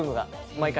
毎回。